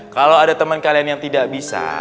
kalau ada teman kalian yang tidak bisa